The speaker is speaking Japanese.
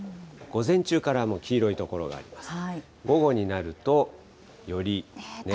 午前中からもう黄色い所があります。